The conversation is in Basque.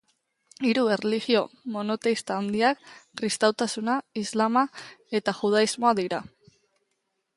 Hiru erlijio monoteista handiak kristautasuna, islama eta judaismoa dira.